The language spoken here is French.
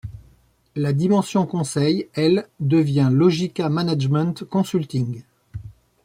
La dimension conseil, elle, devient Logica Management Consulting.